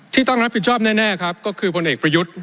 ที่ต้องรับผิดชอบแน่ครับก็คือพลเอกประยุทธ์